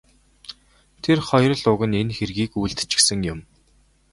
Тэр хоёр л уг нь энэ хэргийг үйлдчихсэн юм.